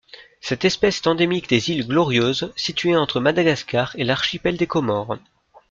Cette espèce est endémique des îles Glorieuses, situées entre Madagascar et l'archipel des Comores.